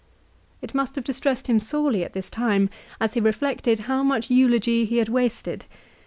It must have distressed him sorely at this time as he reflected how much eulogy he had wasted.